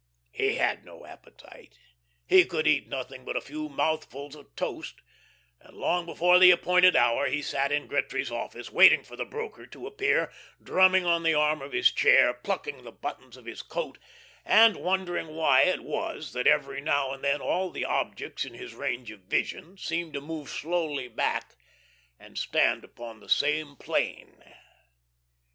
He had no appetite. He could eat nothing but a few mouthfuls of toast, and long before the appointed hour he sat in Gretry's office, waiting for the broker to appear, drumming on the arm of his chair, plucking at the buttons of his coat, and wondering why it was that every now and then all the objects in his range of vision seemed to move slowly back and stand upon the same plane.